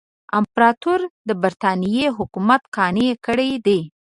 امپراطور د برټانیې حکومت قانع کړی دی.